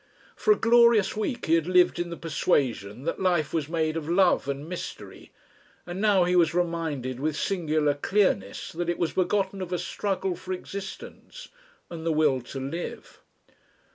For a glorious week he had lived in the persuasion that life was made of love and mystery, and now he was reminded with singular clearness that it was begotten of a struggle for existence and the Will to Live.